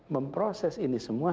memproses ini semua